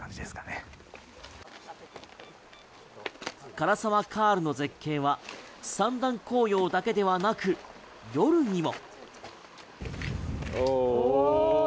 涸沢カールの絶景は三段紅葉だけではなく、夜にも。